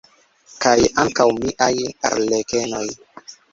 Kaj ankaŭ miaj arlekenoj!